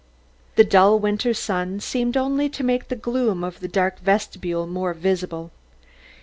The dull winter sun seemed only to make the gloom of the dark vestibule more visible.